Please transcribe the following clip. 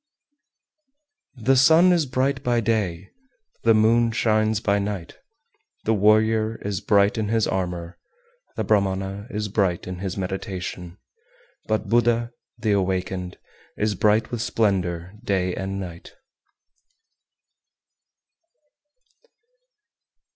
387. The sun is bright by day, the moon shines by night, the warrior is bright in his armour, the Brahmana is bright in his meditation; but Buddha, the Awakened, is bright with splendour day and night.